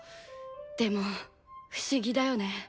でも不思議だよね。